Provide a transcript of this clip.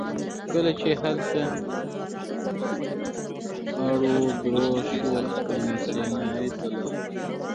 کله چې هلته اړو دوړ شو ابن سینا ري ته ولاړ.